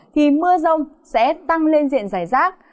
thì mưa rông sẽ tăng lên diện dài rác